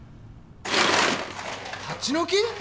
立ち退き！？